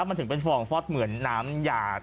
มันถึงเป็นฟองฟอดเหมือนน้ำหยาด